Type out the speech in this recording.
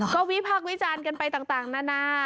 ก็วิพากษ์วิจารณ์กันไปต่างนานา